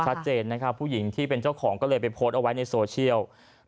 ชัดเจนนะครับผู้หญิงที่เป็นเจ้าของก็เลยไปโพสต์เอาไว้ในโซเชียล